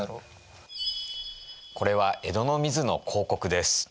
これは江戸の水の広告です。